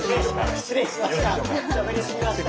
失礼しました。